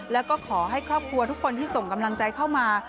แล้วก็ขอให้ครอบครัวทุกคนที่ส่งกำลังใจเข้ามา